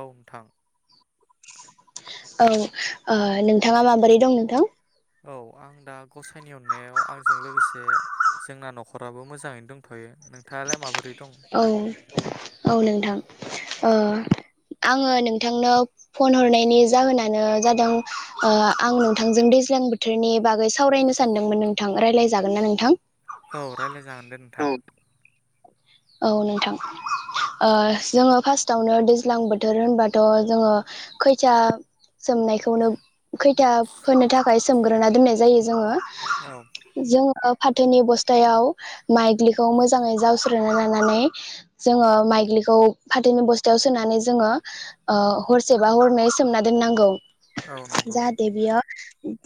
औ नोंथां। औ नोंथाङा ओ माबोरै दं नोंथां? औ आं दा गसाइनि अननायाव आंजों लोगोसे जे जोंना न'खराबो मोजाङैनो दंथ'यो। नोंथाङालाय माबोरै दं? औ औ नोंथां। ओ आङो नोंथांनो फन हरनायनि जाहोनानो जादों ओ आं नोंथांजों दैज्लां बोथोरनि बागै सावरायनो सानदोंमोन नोंथां रायज्लायजागोन ना नोंथां? औ रायज्लाय जागोन दे नोंथां। औ नोंथां ओ जोङो फार्स्टआवनो दैज्लां बोथोर होनबाथ' जोङो खैथिया सोमनायखौनो खैथिया फोनो थाखाय सोमग्रोना दोननाय जायो जोङो औ। ओ फाथोनि बस्थायाव माइज्लिखौ मोजाङै जावस ना लानानै जोङो माइज्लिखौ फाथोनि बस्थायाव सोनानै जोङो हरसेबा हरनै सोमना दोननांगौ। औ नंगौ जाहथे बेयो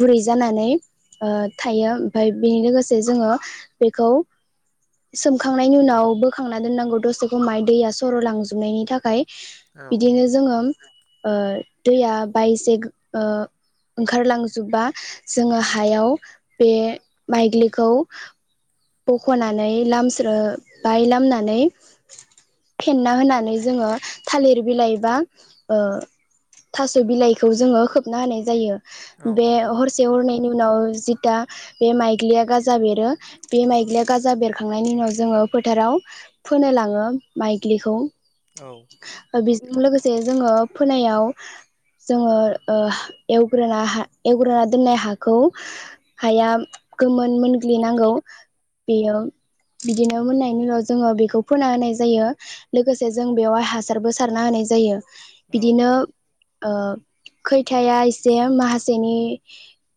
गुरै जानानै ओ थायो ओमफ्राय बेनि लोगोसे जोङो बेखौ सोमखां नायनि उनाव बोखांना दोननांगौ दसेखौ माय दैया सर' लांजोबनायनि थाखाय। औ बिदिनो जोङो ओ दैया बायसे ओंखारलांजोबा जोङो हायाव बे माइज्लिखौ बख'नानै लामस्रो बाय लामनानै फेनना होनानै जोङो थालिर बिलाइ बा थास' बिलाइखौ जोङो खोबना होनाय जायो। औ बे नंगौ हरसे हरनै नि उनाव जितिया बे माइग्लिया गाजा बेरो बे माइग्लिया गाजा बेरखांनायनि उनाव जोङो फोथाराव फोनो लाङो माइग्लिखौ औ। लोगोसे जोङो फोनायाव जोङो ओ एवग्रोना एवग्रोना दोननाय हाखौ हाया गोमोन मोनग्लिनांगौ बेयो बिदिनो मोननायनि उनाव जोङो बेखौ फोना होनाय जायो लोगोसे जों बेवहाय हासारबो सारना होनाय जायो। औ बिदिनो ओ खैथाया एसे माखासेनि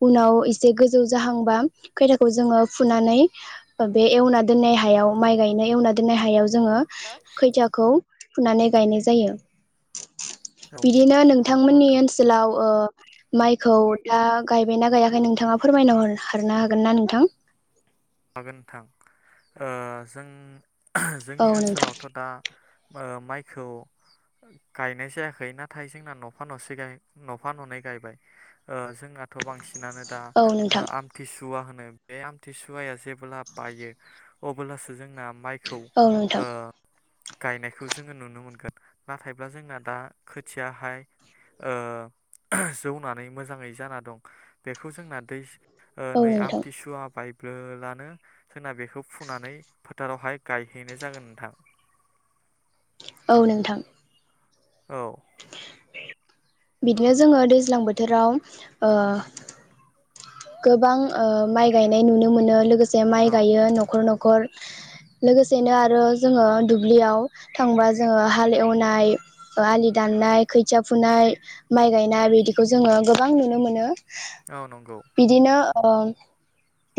उनाव एसे गोजौ जाहांबा खैथाखौ जोङो फुनानै बे एवना दोननाय हायाव माइ गायनाय एवना दोननो हायाव जोङो खैथाखौ फुनानै गायनाय जायो। औ बिदिनो नंगौ नोंथांमोननि नोंथां ओनसोलाव ओ माइखौ दा गायबायना गायाखै नोंथाङा फोरमायनार हरनो हागोन ना नोंथां? हागोनथां ओ जों जोंनि औ नोंथां ओनसोलावथ' दा ओ माइखौ गायनाय जायाखै नाथाय जोंना न'फा न'से गाय न'फा न'नै गायबाय ओ जोंनाथ' बांसि नानो दा औ नोंथां आमथिुवा होन बे आमथिसु वाया जेब्ला बायो अब्लासो जोंना माइखौ औ नोंथां ओ गायनायखौ जोङो नुनो मोनगोन। नाथायब्ला जोंना दा खोथियाहाय जौनानै मोजाङै जाना दं बेखौ जोंना दै ओ औ नै नोंथां आमथिसुवा बाय ब्लोलानो जोंना बेखौ फुनानै फोथारावहाय गायहैनाय जागोन नोंथां। औ नोंथां। औ बिदिनो जोङो दैज्लां बोथोराव ओ गोबां ओ माइ गायनाय नुनो मोनो लोगोसे जे औ माइ गायो न'खर न'खर खर लोगोसेनो आरो जोङो दुब्लियाव थांबा जोङो हाल एवनाय आलि दाननाय खोथिया फुनाय माइ गायनाय बिदिखौ जोङो गोबां नुनो मोनो। औ नंगौ। बिदिनो ओ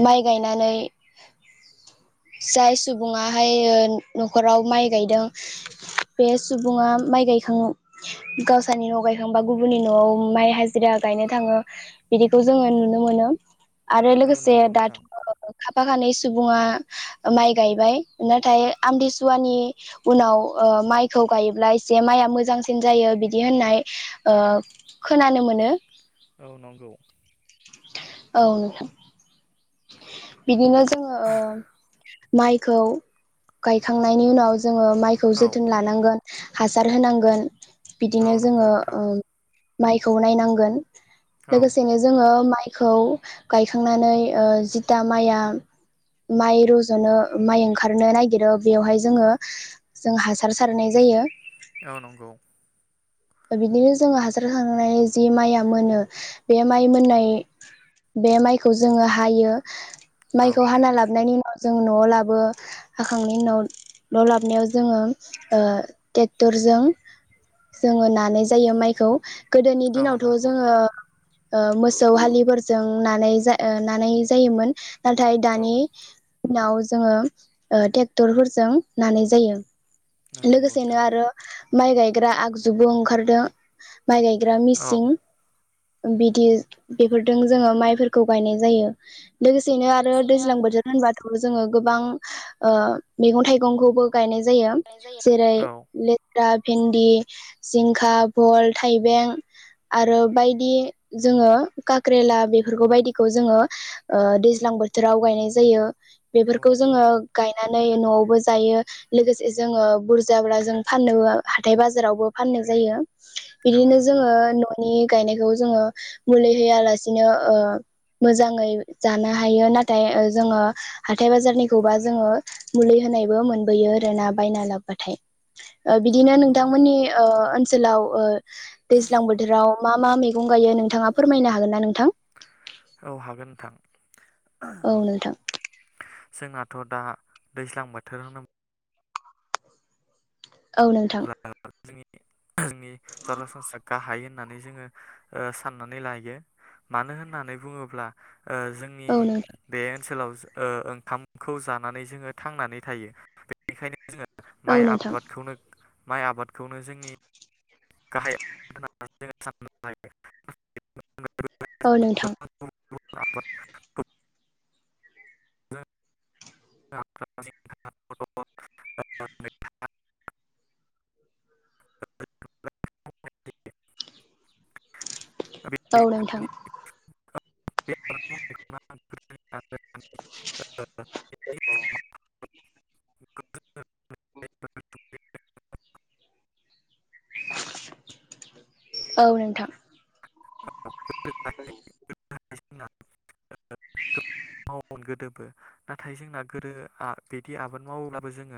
माइ गायनानै जाय सुबुङाहाय ओ न'खराव माइ गायदों बे सुबुङा माइ गायखाङो गावसोरनि न' गायखांबा गुबुननि न'आव माइ हाजिरा गायनो थाङो बिदिखौ जोङो नुनो मोनो। आरो औ लोगोसे नंगौ नोंथां दाथ' [inaudible] खाफाखानै सुबुङा माइ गायबाय नाथाय आमथिसुवानि उनाव माइखौ गायोब्ला एसे माइआ मोजांसिन जायो बिदि होननाय ओ खोनानो मोनो। औ नंगौ। औ नोंथां बिदिनो जोङो माइखौ गायखांनायनि उनाव जोङो माइखौ औ जोथोन लानांगोन। हासार होनांगोन। औ बिदिनो नंगौ जोङो नोंथां ओम माइखौ नायनांगोन। औ लोगोसेनो जोङो माइ माइखौ गायखांनानै जिता माइया माइ रुज'नो माइ ओं नागिरो बेवहाय जोङो जों हासार सारनाय जायो। औ नंगौ। बिदिनो जोङो हासार थांनानै जि माइया मोनो बे माइ मोननाय बे माइखौ जोङो हायो। औ माइखौ हाना लाबनायनि उ जों न'आव लाबो हाखांनायनि उनाव न' लाबनायाव जोङो ओ ट्रेक्टरजों जोङो नानाय जायो माइखौ गोदोनि औ दिनावथ' नंगौ जोङो ओ मोसौ हालिफोरजों नानाय नानाय जायोमोन। नाथाय औ दानि दिनाव जोङो ओ ट्रेक्टरफोरजों नानाय जायो। नंगौ लोगोसेनो नोंथां आरो माइ गायग्रा आगजु [unintelligible] ओंखारदों माइ गायग्रा औ मिसिं बिदि बेफोरजों जोङो माइफोरखौ गायनाय जायो। लोगोसेनो आरो लोगोसेनो दैज्लां बोथोर होनबा जोङो गोबां ओ मैगं थाइगंखौबो गायनाय जायो आर'नाइ जायो जेरै औ [unintelligible] भेन्दि जिंखा भल थाइबें आरो बायदि जोङो काक्रेला बिफोरखौ बायदिखौ जोङो दैज्लां बोथोराव गायनाय जायो औ बेफोरखौ नंगौ जोङो नोंथां गायनानै न'आवबो जायो लोगोसे जोङो बुरजाब्ला जों फाननोबो हाथाय बाजारावबो फाननो जायो औ बिदिनो नंगौ जोङो न नि गायनायखौ जोङो मुलि होआलासिनो मोजाङै जानो हायो नाथाय जोङो हाथाय बाजारनिखौबा जोङो मुलि होनायबो मोनबोयो आर ना बायना लाबोबाथाय। ओ औ बिदिनो नंगौ नोंथांमोननि ओ ओनसोलाव ओ दैज्लां बोथोराव मा मा मेगं गायो नोंथाङा फोरमायनो हागोन ना नोंथां? औ हागोन नोंथां। औ नोंथां। जोंनाथ' दा दैज्लां बोथोर होनोब [inaudible] औ नोंथां। अब्ला जोंनि जोंनि सरासनस्रा गाहाय होननानै जोङो ओ साननानै लायो मानो होननानै बुङोब्ला ओ जोंनि औ नोंथां बे ओनसोलाव ओ ओंखामखौ जानानै जोङो थांनानै थायो। बेनिखायनो जोङो औ माइ नोंथां आबादखौनो माइ आबादखौनो जोंनि गाहाय आबाद होननानै जोङो साननानै लायो। औ नोंथां। [unintelligible] [unintelligible] [unintelligible] औ नोंथां। [unintelligible] [unintelligible] [unintelligible] औ नोंथां। [unintelligible] [unintelligible] [unintelligible] जोंना मावोमोन गोदोबो। नाथाय जोंना गोदो आ बिदि आबाद मावोब्लाबो जोङो